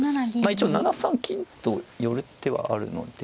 一応７三金と寄る手はあるので。